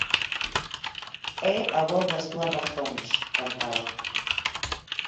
"É a voz das túas razóns"; cantaba.